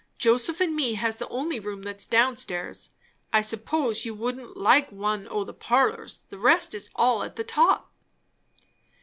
Joseph and me has the only room that's down stairs. I s'pose you wouldn't like one o' the parlours. The rest is all at the top."